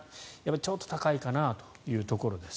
ちょっと高いかなというところです。